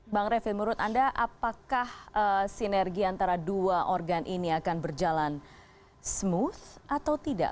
bang refli menurut anda apakah sinergi antara dua organ ini akan berjalan smooth atau tidak